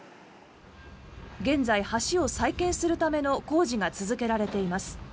現在、橋を再建するための工事が続けられています。